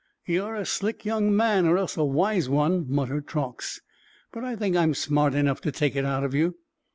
"You're a slick young man, or else a wise one," muttered Truax. "But I think I'm smart enough to take it out of you!"